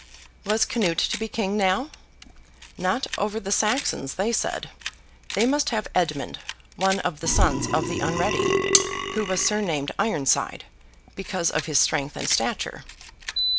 Was Canute to be King now? Not over the Saxons, they said; they must have Edmund, one of the sons of the Unready, who was surnamed Ironside, because of his strength and stature.